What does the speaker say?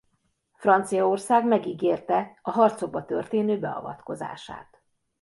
Franciaország megígérte a harcokba történő beavatkozását.